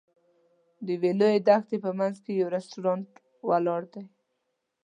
د لویې دښتې په منځ کې یو رسټورانټ ولاړ دی.